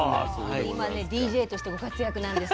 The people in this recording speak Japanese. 今ねＤＪとしてご活躍なんです。